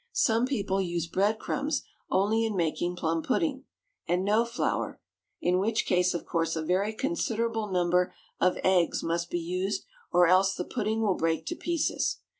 Some people use bread crumbs only in making plum pudding, and no flour, in which case, of course, a very considerable number of eggs must be used or else the pudding will break to pieces.